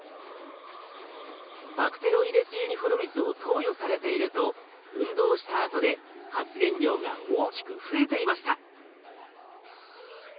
バクテロイデス・ユニフォルミスを投与されていると運動したあとで発現量が大きく増えていました。